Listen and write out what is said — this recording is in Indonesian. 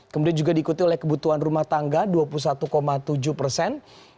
kemudian juga diikuti oleh kebutuhan rumah tangga dua puluh satu tujuh persen